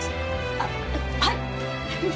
あっはい！